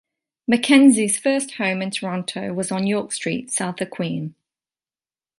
Mackenzie's first home in Toronto was on York Street south of Queen.